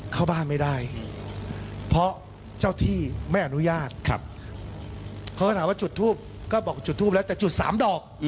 เข้าบ้านไม่ได้เพราะเจ้าที่ไม่อนุญาตเขาก็ถามว่าจุดทูปก็บอกจุดทูปแล้วแต่จุด๓ดอก